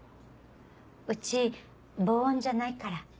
うち防音じゃないから。